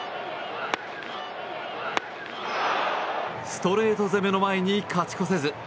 ストレート攻めの前に勝ち越せず。